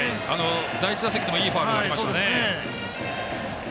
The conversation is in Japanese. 第１打席でもいいファウルがありましたね。